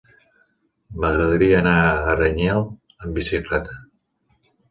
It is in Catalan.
M'agradaria anar a Aranyel amb bicicleta.